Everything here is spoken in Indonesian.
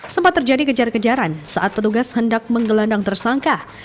sempat terjadi kejar kejaran saat petugas hendak menggelandang tersangka